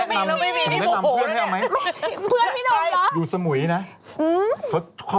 มารู้ว่าไม่มี